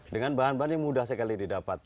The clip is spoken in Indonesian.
dengan bahan bahan yang mudah sekali didapat